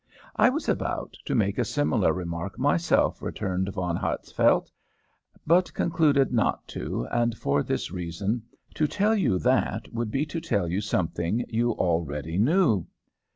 "I was about to make a similar remark myself," returned Von Hatzfeldt, "but concluded not to, and for this reason: to tell you that would be to tell you something you already knew.